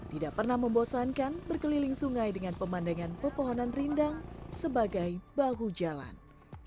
tidak pernah membosankan berkeliling sungai dengan pemandangan pepohonan rindang sebagai bahu jalan